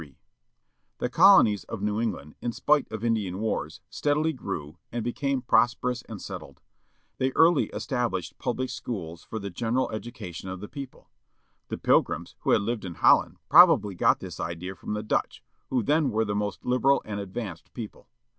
1773 HE colonies of New England, in spite of Indian wars, steadily grew, and became prosperous and settled. They early established public schools for the general education of the people. The Pilgrims, who had lived in Holland, probably got this idea from the Dutch, who then were the most liberal and advanced people.